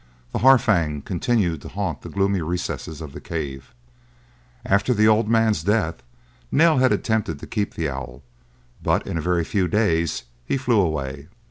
The Harfang continued to haunt the gloomy recesses of the cave. After the old man's death, Nell had attempted to keep the owl, but in a very few days he flew away.